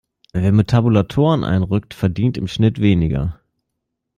Wer mit Tabulatoren einrückt, verdient im Schnitt weniger.